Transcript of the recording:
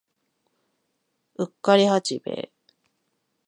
うっかり八兵衛